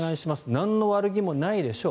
なんの悪気もないでしょう。